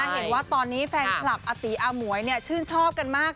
เห็นว่าตอนนี้แฟนคลับอาตีอาหมวยชื่นชอบกันมาก